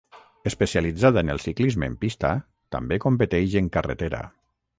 Especialitzada en el ciclisme en pista, també competeix en carretera.